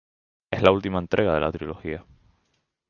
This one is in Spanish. Es la última entrega de la trilogía.